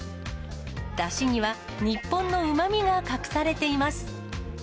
だしには、日本のうまみが隠されています。